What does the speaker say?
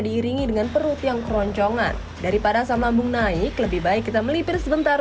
diiringi dengan perut yang keroncongan daripada sama bung naik lebih baik kita melipir sebentar